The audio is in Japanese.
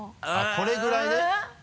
これぐらい。